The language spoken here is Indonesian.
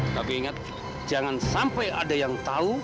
tapi ingat jangan sampai ada yang tahu